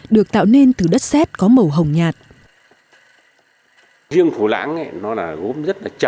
được tạo nên từ đất xét có màu hồng đỏ gạch